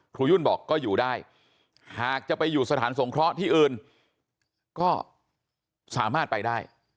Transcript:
ยุ่นบอกก็อยู่ได้หากจะไปอยู่สถานสงเคราะห์ที่อื่นก็สามารถไปได้